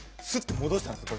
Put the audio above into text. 戻したんですよ。